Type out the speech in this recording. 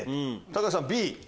橋さんＢ？